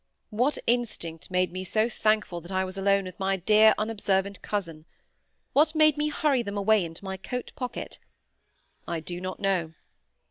What instinct made me so thankful that I was alone with my dear unobservant cousin? What made me hurry them away into my coat pocket? I do not know.